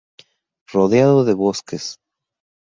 Rodeado de bosques.